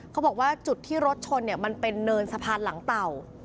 เขาบอกว่าจุดที่รถชนเนี่ยมันเป็นเนินสะพานหลังเต่า